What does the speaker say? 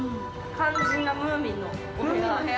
◆肝心なムーミンのお部屋。